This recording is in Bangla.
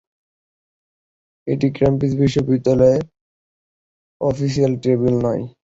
এটি ক্যামব্রিজ বিশ্ববিদ্যালয়ের অফিসিয়াল টেবিল নয়।